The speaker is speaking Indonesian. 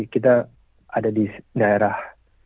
kita ada di daerah